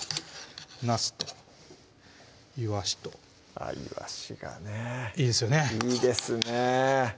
なすといわしといわしがねいいですよねいいですね